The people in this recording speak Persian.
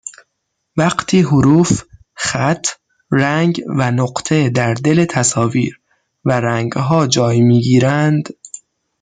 وقتی حروف خط رنگ و نقطه در دل تصاویر و رنگها جای می گیرند